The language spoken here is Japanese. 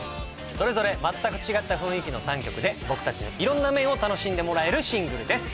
それぞれ全く違った雰囲気の３曲で僕達の色んな面を楽しんでもらえるシングルです